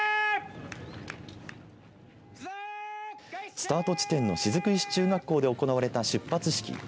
スタート地点の雫石中学校で行われた出発式。